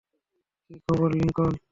কী খবর, লিংকন!